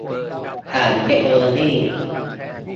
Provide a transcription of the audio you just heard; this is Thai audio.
ผ่านเทคโนโลยี